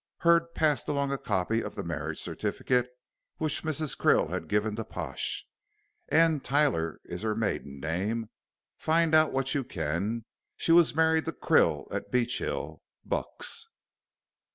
Hurd passed along a copy of the marriage certificate which Mrs. Krill had given to Pash. "Anne Tyler is her maiden name. Find out what you can. She was married to Krill at Beechill, Bucks."